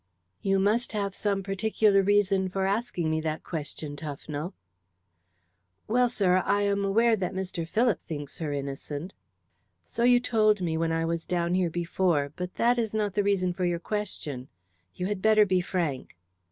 "You must have some particular reason for asking me that question, Tufnell." "Well, sir, I am aware that Mr. Philip thinks her innocent." "So you told me when I was down here before, but that is not the reason for your question. You had better be frank."